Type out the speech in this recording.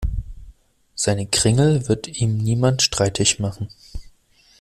Seine Kringel wird ihm niemand streitig machen.